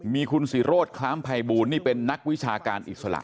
มีคุณศิโรธคล้ามภัยบูลนี่เป็นนักวิชาการอิสระ